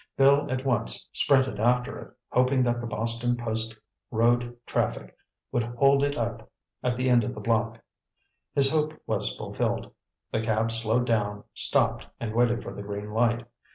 Bill at once sprinted after it, hoping that the Boston Post Road traffic would hold it up at the end of the block. His hope was fulfilled. The cab slowed down, stopped and waited for the green light.